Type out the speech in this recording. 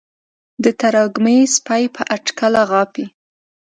د تروږمۍ سپي په اټکل غاپي